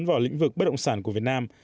vào lĩnh vực bất động sản của việt nam